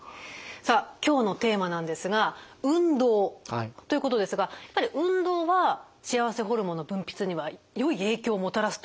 さあ今日のテーマなんですが運動ということですがやっぱり運動は幸せホルモンの分泌にはよい影響をもたらすということですか？